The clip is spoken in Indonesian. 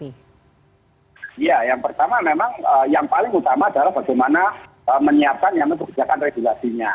iya yang pertama memang yang paling utama adalah bagaimana menyiapkan yang untuk kebijakan regulasinya